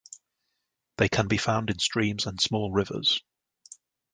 They can be found in streams and small rivers.